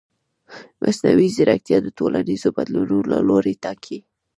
مصنوعي ځیرکتیا د ټولنیزو بدلونونو لوری ټاکي.